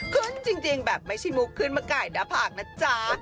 ขึ้นจริงแบบไม่ใช่มุกขึ้นมาไก่หน้าผากนะจ๊ะ